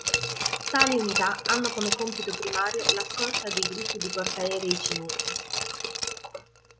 Tali unità hanno come compito primario la scorta dei gruppi di portaerei cinesi.